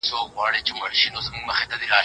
رښتينی انسان دا مهال د حق دفاع کوي.